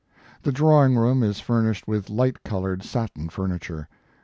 The drawing room is furnished with light colored satin furniture.